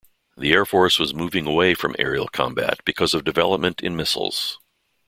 The Air Force was moving away from aerial combat because of development in missiles.